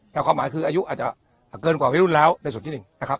แต่ความหมายคืออายุอาจจะเกินกว่าพี่รุ่นแล้วในส่วนที่หนึ่งนะครับ